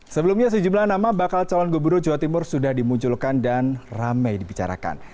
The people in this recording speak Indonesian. sebelumnya sejumlah nama bakal calon gubernur jawa timur sudah dimunculkan dan ramai dibicarakan